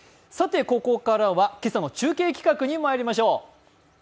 ここからは今朝の中継企画にまいりましょう。